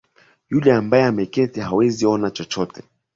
Yule ambaye ameketi hawezi ona chochote.